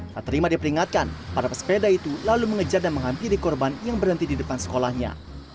tak terima diperingatkan para pesepeda itu lalu mengejar dan menghampiri korban yang berhenti di depan sekolahnya